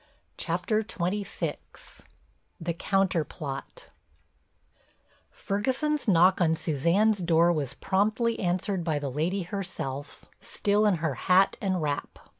CHAPTER XXVI—THE COUNTER PLOT Ferguson's knock on Suzanne's door was promptly answered by the lady herself, still in her hat and wrap.